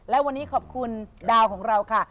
และวันนี้ขอบคุณดาวของเราค่ะ